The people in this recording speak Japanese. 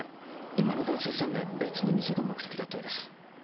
今の男性３名別の店が目的だったようです。